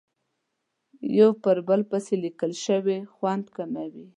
یو په بل پسې لیکل شوې وي خوند کموي.